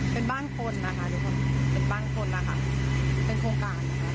เป็นบ้านคนนะคะทุกคนเป็นโครงการนะคะ